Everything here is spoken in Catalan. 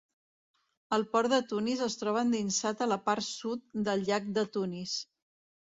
El port de Tunis es troba endinsat a la part sud del llac de Tunis.